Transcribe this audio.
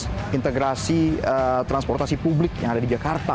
proses integrasi transportasi publik yang ada di jakarta